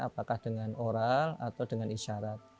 apakah dengan oral atau dengan isyarat